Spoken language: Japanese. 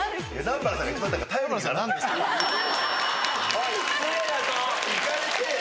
おい失礼だぞ！